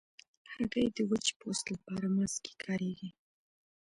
هګۍ د وچ پوست لپاره ماسک کې کارېږي.